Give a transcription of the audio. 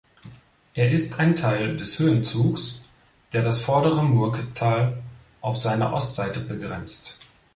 Er ist ein Teil des Höhenzugs, der das vordere Murgtal auf seiner Ostseite begrenzt.